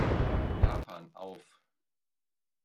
Japan", auf.